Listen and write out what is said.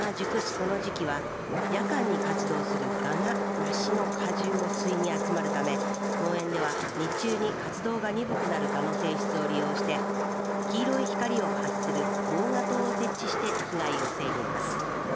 この時期は夜間に活動する蛾が梨の果汁を吸いに集まるため農園では日中に活動が鈍くなる蛾の性質を利用して黄色い光を発する防蛾灯を設置し被害を防いでいます。